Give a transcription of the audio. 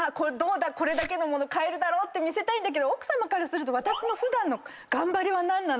これだけの物買えるだろって見せたいんだけど奥さまからすると私の普段の頑張りは何なの？